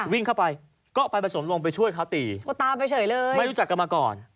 วิ่งเข้าไปก็ไปผสมลงไปช่วยเขาตีตามไปเฉยเลยไม่รู้จักกันมาก่อน